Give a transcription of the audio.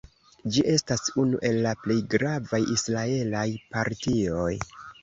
Ĝi estas unu el la plej gravaj israelaj partioj.